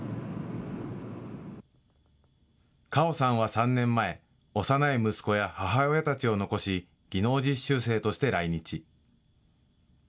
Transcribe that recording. カオさんは３年前、幼い息子や母親たちを残し技能実習生として来日。